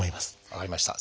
分かりました。